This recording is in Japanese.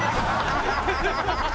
ハハハハ！